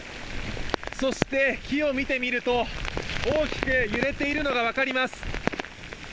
そして、木を見てみると大きく揺れているのが分かります。